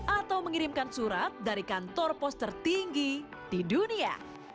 atau mengirimkan surat dari kantor pos tertinggi di dunia